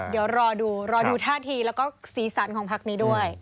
เดี๋ยวรอดูรอดูท่าทีแล้วก็สีสันของพักนี้ด้วย